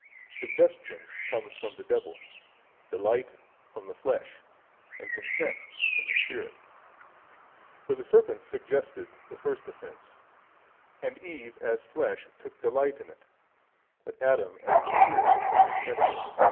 Suggestion comes from the Devil, delight from the flesh, and consent from the spirit. For the serpent suggested the first offence, and Eve, as flesh, took delight in it, but Adam, as the spirit, consented.